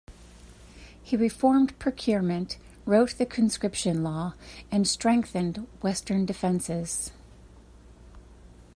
He reformed procurement, wrote the conscription law, and strengthened western defenses.